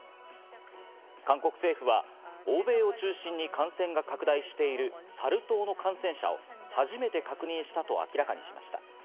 韓国政府は欧米を中心に感染が拡大しているサル痘の感染者を初めて確認したと明らかにしました。